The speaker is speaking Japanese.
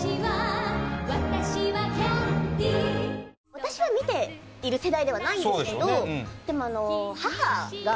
私は見ている世代ではないんですけど、でも、母が。